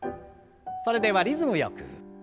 それではリズムよく。